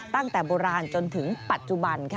ตั้งแต่โบราณจนถึงปัจจุบันค่ะ